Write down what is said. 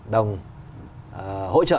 đồng hỗ trợ